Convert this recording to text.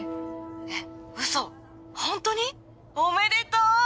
えっウソホントに⁉おめでとう！